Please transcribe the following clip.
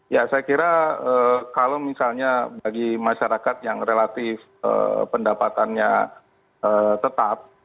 ya saya kira kalau misalnya bagi masyarakat yang relatif pendapatannya tetap